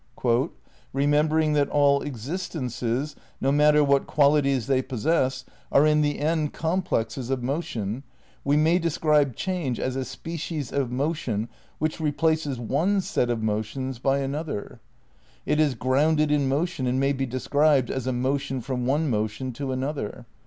"Remembering that all existences, no matter what qualities they possess, are in the end complexes of motion, we may describe change as a species of motion which replaces one set of motions by an other; it is grounded in motion and may be described as a motion from one motion to another.